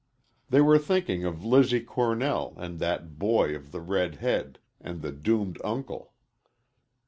They were thinking of Lizzie Cornell and that boy of the red head and the doomed uncle.